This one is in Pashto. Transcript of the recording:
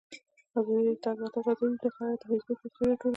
ازادي راډیو د د تګ راتګ ازادي په اړه د فیسبوک تبصرې راټولې کړي.